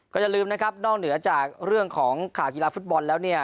อย่าลืมนะครับนอกเหนือจากเรื่องของข่าวกีฬาฟุตบอลแล้วเนี่ย